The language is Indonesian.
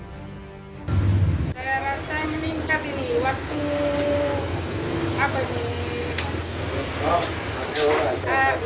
biasa meningkat ini waktu apa ini